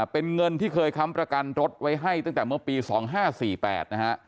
เป็นเงินที่เคยคำประกันรถไว้ให้ตั้งแต่เมื่อปีสองห้าสี่แปดนะฮะ